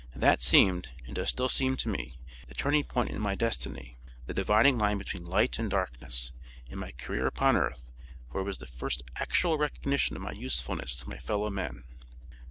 That seemed, and does still seem to me, the turning point in my destiny, the dividing line between light and darkness, in my career upon earth, for it was the first actual recognition of my usefulness to my fellow men."